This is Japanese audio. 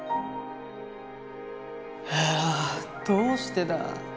はあどうしてだ。